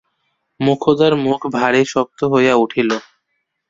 মোক্ষদার মুখ ভারি শক্ত হইয়া উঠিল।